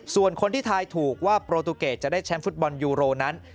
ส่วนคนที่ทายถูกว่าโปรตูเกตจะได้แชมป์ฟุตบอลยูโรนั้น